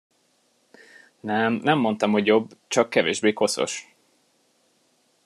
Nem, nem mondtam, hogy jobb, csak kevésbé koszos.